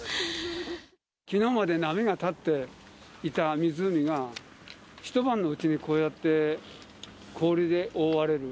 きのうまで波が立っていた湖が、一晩のうちにこうやって氷で覆われる。